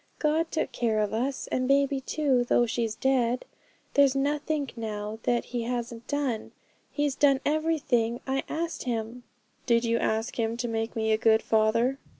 'God took care of us, and baby too, though she's dead. There's nothink now that He hasn't done. He's done everythink I asked Him.' 'Did you ask Him to make me a good father?'